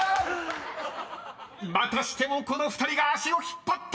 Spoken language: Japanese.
［またしてもこの２人が足を引っ張った！］